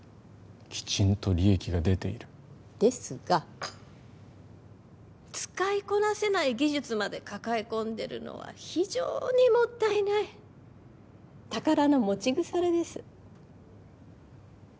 きちんと利益が出ているですが使いこなせない技術まで抱え込んでるのは非常にもったいない宝の持ち腐れです